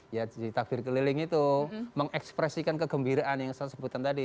ya jadi takbir keliling itu mengekspresikan kegembiraan yang saya sebutkan tadi